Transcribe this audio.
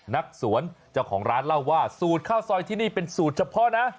นักสวนเจ้าของร้านเล่าว่าสูตรข้าวซอยที่นี่เป็นสูตรเฉพาะนะ